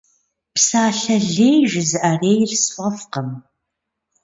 Псалъэ лей жызыӏэрейр сфӏэфӏкъым.